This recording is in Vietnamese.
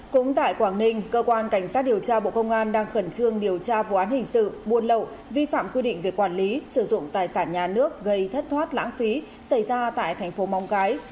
cũng tại quảng ninh cơ quan cảnh sát điều tra bộ công an đang khẩn trương điều tra vụ án hình sự buôn lậu vi phạm quy định về quản lý sử dụng tài sản nhà nước gây thất thoát lãng phí xảy ra tại thành phố móng cái